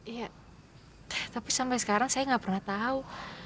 iya tapi sampai sekarang saya nggak pernah tahu